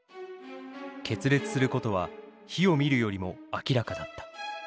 決裂することは火を見るよりも明らかだった。